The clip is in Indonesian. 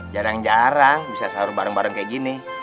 jarang jarang bisa sahur bareng bareng kayak gini